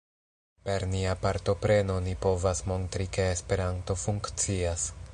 Per nia partopreno, ni povas montri ke Esperanto funkcias.